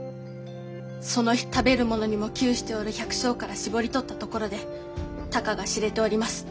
その日食べるものにも窮しておる百姓からしぼりとったところでたかが知れております。